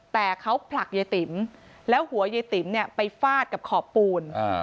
แต่เขาผลักยายติ๋มแล้วหัวยายติ๋มเนี่ยไปฟาดกับขอบปูน